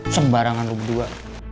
sembarangan lo berdua